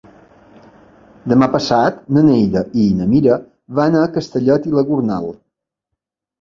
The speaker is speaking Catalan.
Demà passat na Neida i na Mira van a Castellet i la Gornal.